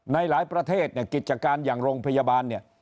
ในหลายประเทศเนี่ยกิจการอย่างโรงพยาบาลเนี่ย